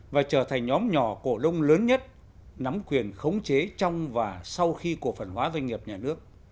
và trở thành nhóm nhỏ cổ đông lớn nhất nắm quyền khống chế trong và sau khi cổ phần hóa doanh nghiệp nhà nước